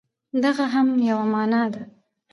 دغه هم یوه معما ده!